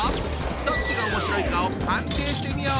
どっちがおもしろいかを判定してみよう！